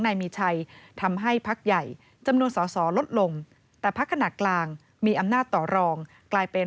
นายมีชัยทำให้พักใหญ่จำนวนสอสอลดลงแต่พักขนาดกลางมีอำนาจต่อรองกลายเป็น